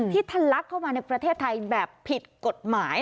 ทะลักเข้ามาในประเทศไทยแบบผิดกฎหมาย